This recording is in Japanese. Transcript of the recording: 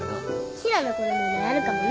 陽菜の子供もやるかもね。